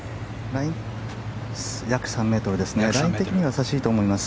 ライン的には易しいと思います。